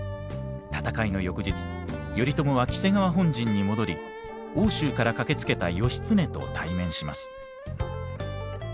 戦いの翌日頼朝は黄瀬川本陣に戻り奥州から駆けつけた義経と対面します。